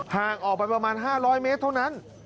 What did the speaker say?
ห่างออกไปประมาณ๕๐๐เมตรเท่านั้น